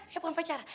ya bukan pacar